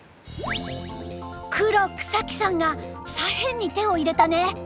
黒草木さんが左辺に手を入れたね。